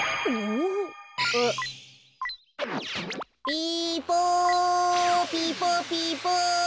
ピポピポピポ。